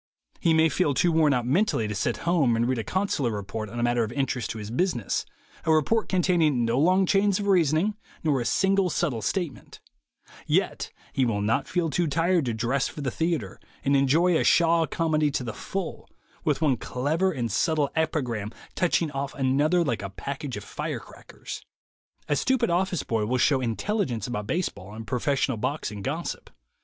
He may feel too worn out mentally to sit home and read a con sular report on a matter of interest to his business, a report containing no long chains of reasoning nor a single subtle statement; yet he will not feel too tired to dress for the theatre and enjoy a Shaw comedy to the full, with one clever and subtle epigram touching off another like a package of fire crackers. A stupid office boy will show intelligence about baseball and professional boxing gossip.